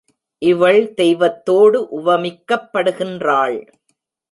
இவள் தெய்வத்தோடு உவமிக்கப்படுகின்றாள்.